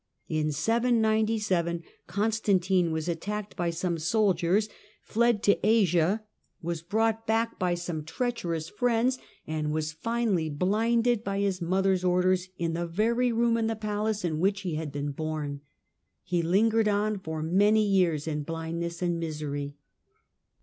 In 797 Constantine was ttacked by some soldiers, fled to Asia, was brought 142 THE DAWN OF MEDIAEVAL EUROPE back by some treacherous friends, and was finally blinded by his mother's orders in the very room in the palace in which he had been born. He lingered on for many years in blindness and misery.